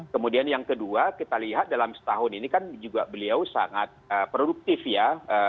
kemudian yang kedua kita lihat dalam setahun ini kan juga beliau sangat produktif ya